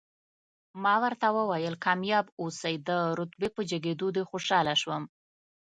ما ورته وویل، کامیاب اوسئ، د رتبې په جګېدو دې خوشاله شوم.